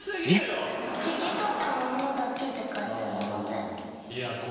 聴き取ったものだけで書いてるので。